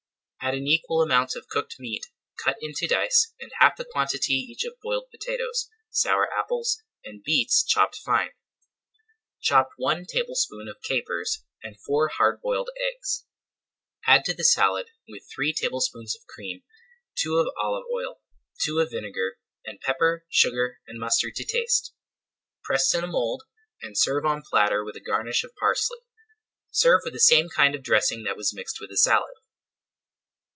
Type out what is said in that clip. Add an equal amount of cooked meat cut into dice and half the quantity each of boiled potatoes, sour apples, and beets chopped fine. Chop one tablespoonful of capers and four hard boiled eggs. Add to the salad with three tablespoonfuls of cream, two of olive oil, two of vinegar, and pepper, sugar, and mustard to taste. Press in a mould, and serve on platter with a [Page 202] garnish of parsley. Serve with the same kind of dressing that was mixed with the salad.